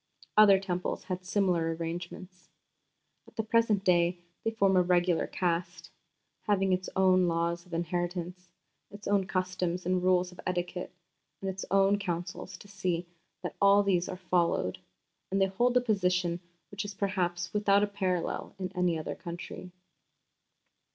Other Temples had similar arrangements. ... At the present day they form a regular Caste, having its own laws of inheritance, its own customs and rules of etiquette, and its own councils to see that all these are followed, and they hold a position which is perhaps without a parallel in any other country.